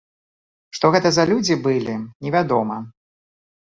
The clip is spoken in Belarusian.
Што гэта за людзі былі невядома.